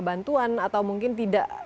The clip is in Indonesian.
bantuan atau mungkin tidak